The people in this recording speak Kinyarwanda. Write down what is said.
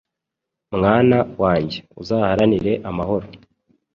Mwana wanjye uzaharanire amahoro